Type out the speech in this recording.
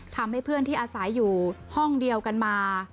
ทำให้เพื่อนที่อาศัยอยู่ห้องเดียวกันมา